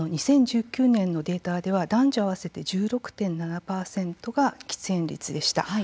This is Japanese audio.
２０１９年のデータでは男女合わせて１６．７％が喫煙率でした。